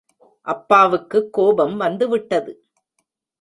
அப்பாவுக்குக் கோபம் வந்துவிட்டது.